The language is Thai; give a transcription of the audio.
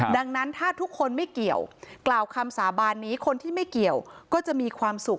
ดังนั้นถ้าทุกคนไม่เกี่ยวกล่าวคำสาบานนี้คนที่ไม่เกี่ยวก็จะมีความสุข